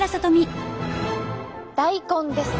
大根です！